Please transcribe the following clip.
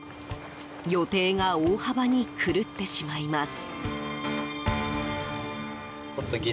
予定が大幅に狂ってしまいます。